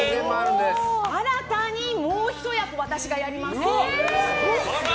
新たにもう一役私がやります！